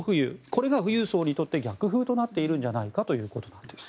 これが富裕層にとって逆風となっているんじゃないかということです。